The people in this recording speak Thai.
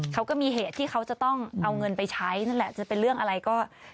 เขาก็มีเหตุที่เขาจะต้องเอาเงินไปใช้นั่นแหละจะเป็นเรื่องอะไรก็